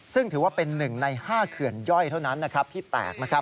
ซึ่งถือว่าเป็น๑ใน๕เขื่อนย่อยเท่านั้นที่แตก